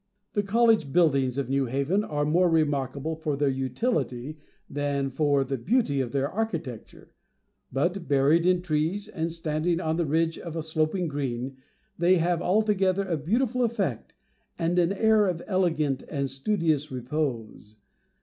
The college buildings of New Haven are more remarkable for their utility than for the beauty of their architecture; but, buried in trees, and standing on the ridge of a sloping green, they have altogether a beautiful effect, and an air of elegant and studious repose.